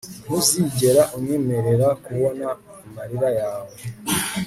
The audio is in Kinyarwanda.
ntuzigera unyemerera kubona amarira yawe